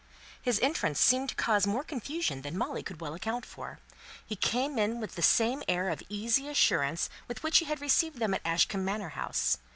His entrance seemed to cause more confusion than Molly could well account for. He came in with the same air of easy assurance with which he had received her and her father at Ashcombe Manor house.